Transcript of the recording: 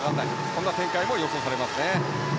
こんな展開も予想されますね。